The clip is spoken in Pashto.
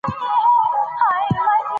کولمو مایکروبیوم د ذهني هوساینې لپاره مهم دی.